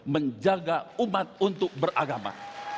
menjaga umat untuk beragama